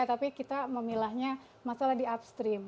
tapi kita memilahnya masalah di upstream